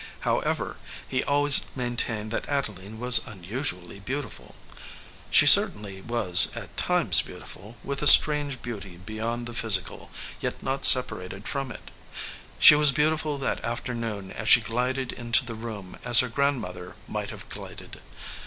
However, he always main tained that Adeline was unusually beautiful. She certainly was at times beautiful, with a strange beauty beyond the physical, yet not separated from it. She was beautiful that afternoon as she glided into the room as her grandmother might have glided.